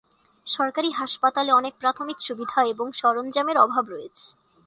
সরকারি হাসপাতালে অনেক প্রাথমিক সুবিধা এবং সরঞ্জামের অভাব রয়েছে।